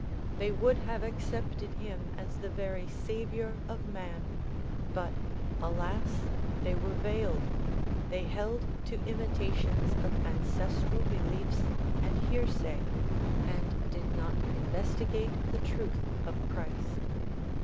They would have accepted him as the very saviour of man ; but alas ! they were veiled, they held to imita tions of ancestral beliefs and hearsay and did not investigate the truth of Christ.